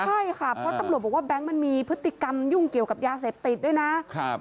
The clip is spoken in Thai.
ใช่ค่ะเพราะตำรวจบอกว่าแบงค์มันมีพฤติกรรมยุ่งเกี่ยวกับยาเสพติดด้วยนะครับ